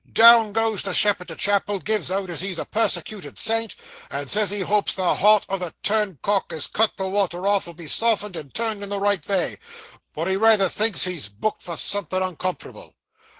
Down goes the shepherd to chapel, gives out as he's a persecuted saint, and says he hopes the heart of the turncock as cut the water off, 'll be softened, and turned in the right vay, but he rayther thinks he's booked for somethin' uncomfortable.